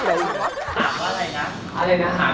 ก่อนหนึ่งถามแม่ว่าอะไร